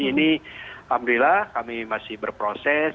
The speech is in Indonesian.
ini alhamdulillah kami masih berproses